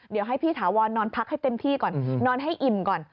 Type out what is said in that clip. เดี๋ยวให้พี่ถาวรนอนพักให้เต็มที่ก่อนนอนให้อิ่มก่อน